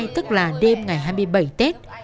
tức là đêm ngày hai mươi bảy tết